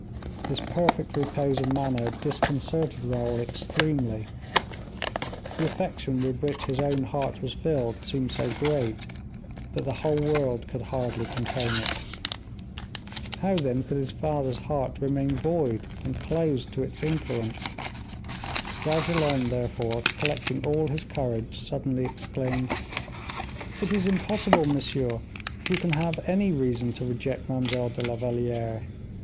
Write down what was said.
This perfect repose of manner disconcerted Raoul extremely; the affection with which his own heart was filled seemed so great that the whole world could hardly contain it. How, then, could his father's heart remain void, and closed to its influence? Bragelonne, therefore, collecting all his courage, suddenly exclaimed, "It is impossible, monsieur, you can have any reason to reject Mademoiselle de la Valliere!